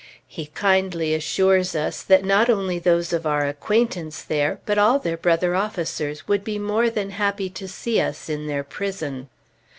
He kindly assures us that not only those of our acquaintance there, but all their brother officers, would be more than happy to see us in their prison.